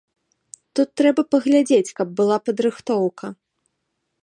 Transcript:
Тут трэба паглядзець, каб была падрыхтоўка.